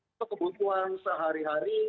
untuk kebutuhan sehari hari